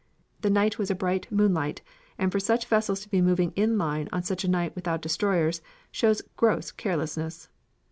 The night was a bright moonlight and for such vessels to be moving in line on such a night without destroyers shows gross carelessness.